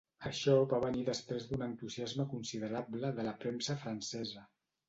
Això va venir després d'un entusiasme considerable de la premsa francesa.